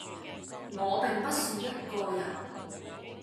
我並不是一個人